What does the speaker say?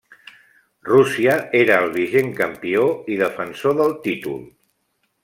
Rússia era el vigent campió i defensor del títol.